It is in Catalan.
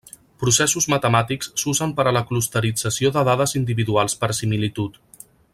Processos matemàtics s'usen per a la clusterització de dades individuals per similitud.